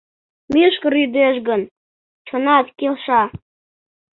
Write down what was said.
Мӱшкыр йодеш гын, чонат келша...